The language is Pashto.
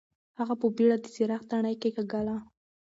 هغه په بېړه د څراغ تڼۍ کېکاږله.